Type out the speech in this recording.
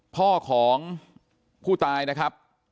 พ่อของผู้ตายนะครับ